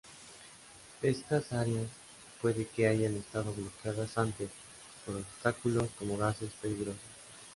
Estas áreas puede que hayan estado bloqueadas antes, por obstáculos como gases peligrosos.